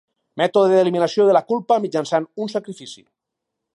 Mètode d'eliminació de la culpa mitjançant un sacrifici.